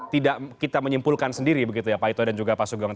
tidak kita menyimpulkan sendiri begitu ya pak ito dan juga pak sugeng